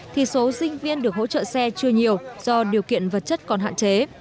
thì số sinh viên được hỗ trợ xe chưa nhiều do điều kiện vật chất còn hạn chế